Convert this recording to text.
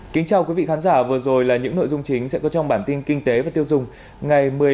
xin chào quý vị khán giả vừa rồi là những nội dung chính sẽ có trong bản tin kinh tế và tiêu dùng ngày